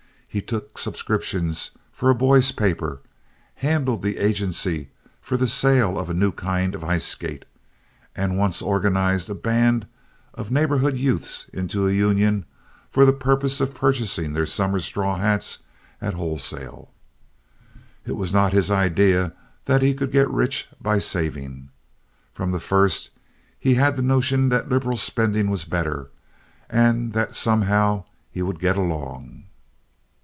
He took subscriptions for a boys' paper; handled the agency for the sale of a new kind of ice skate, and once organized a band of neighborhood youths into a union for the purpose of purchasing their summer straw hats at wholesale. It was not his idea that he could get rich by saving. From the first he had the notion that liberal spending was better, and that somehow he would get along.